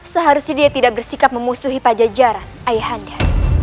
seharusnya dia tidak bersikap memusuhi pajajaran ayahnya